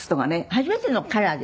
初めてのカラーです？